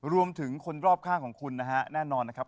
รวมถึงคนรอบข้างของคุณนะครับแน่นอนนะครับ